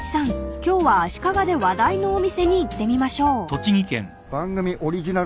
今日は足利で話題のお店に行ってみましょう］